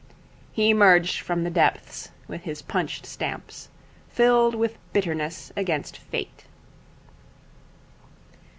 He emerged from the depths, with his punched stamps, filled with bitterness against Fate.